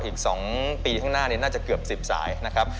อีกสองปีข้างหน้าเนี่ยน่าจะเกือบสิบสายนะครับ